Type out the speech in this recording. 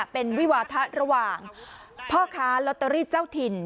เป็นวิวาทะระหว่างพ่อค้าลอตเตอรี่เจ้าถิ่น